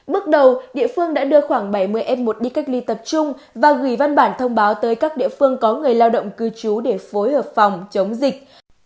bước đầu địa phương đã đưa khoảng bảy mươi f một đi cách ly tập trung và gửi văn bản thông báo tới các địa phương có người lao động cư trú để phối hợp phòng chống dịch